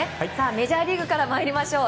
メジャーリーグから参りましょう。